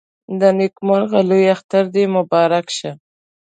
د نيکمرغه لوی اختر دې مبارک شه